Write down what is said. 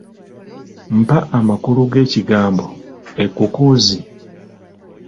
Mpa amakaulu g'ekigambo ekkukuuzi?